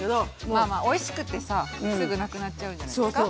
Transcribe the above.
まあまあおいしくってさすぐなくなっちゃうんじゃないですか。